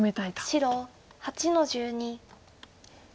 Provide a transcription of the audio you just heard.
白８の十二。